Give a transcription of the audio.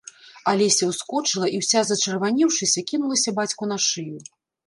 Алеся ўскочыла і, уся зачырванеўшыся, кінулася бацьку на шыю.